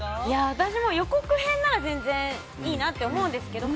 私も予告編なら全然いいなと思うんですけど